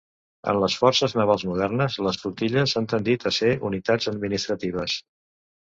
En les forces navals modernes, les flotilles han tendit a ser unitats administratives.